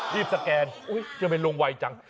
หยิบสแกนโอ้ยยังไม่ลงไวจัง